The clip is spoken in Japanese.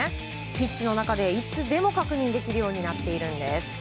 ピッチの中でいつでも確認できるようになっているんです。